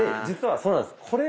実はそうなんです。